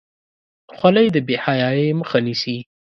خولۍ د بې حیايۍ مخه نیسي.